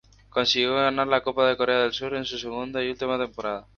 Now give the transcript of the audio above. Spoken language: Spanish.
Consiguió ganar la Copa de Corea del Sur en su segunda y última temporada.